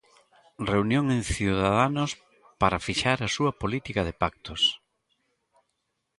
Reunión en Ciudadanos para fixar a súa política de pactos.